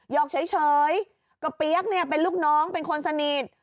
ยอกเฉยกับเปี๊ยกเป็นลูกน้องเป็นคนสนีท